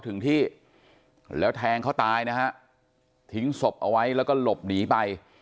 ถึงที่แล้วแทงเขาตายนะฮะทิ้งศพเอาไว้แล้วก็หลบหนีไป